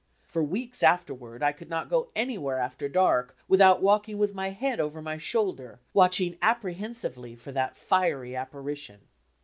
For weeks afterward I could not go any where after dark without walking with my head over my shoulder, watching apprehensively for that fiery apparidon.